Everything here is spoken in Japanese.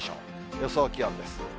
予想気温です。